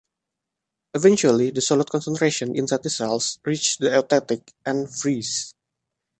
Eventually, the solute concentration inside the cells reaches the eutectic and freezes.